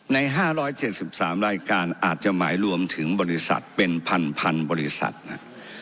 ใน๕๗๓รายการอาจจะหมายรวมถึงบริษัทเป็นพันบริษัทนะ